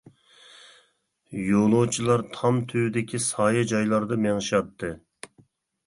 يولۇچىلار تام تۈۋىدىكى سايە جايلاردا مېڭىشاتتى.